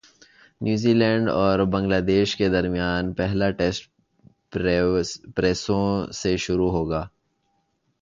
New Zealand اور Bangladesh کے درمیان پہلا ٹیسٹ پرسوں سے شروع ہوگا